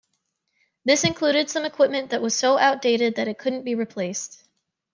This included some equipment that was so outdated that it couldn't be replaced.